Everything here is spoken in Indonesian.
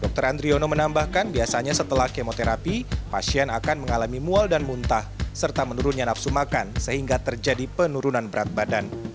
dr andriono menambahkan biasanya setelah kemoterapi pasien akan mengalami mual dan muntah serta menurunnya nafsu makan sehingga terjadi penurunan berat badan